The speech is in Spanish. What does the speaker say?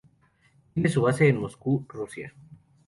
Tiene su base en Moscú, Rusia.